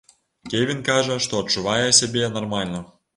Кевін кажа, што адчувае сябе нармальна.